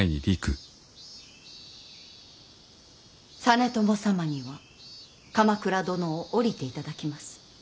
実朝様には鎌倉殿を降りていただきます。